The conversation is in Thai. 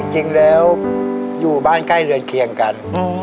จริงแล้วอยู่บ้านใกล้เรือนเคียงกัน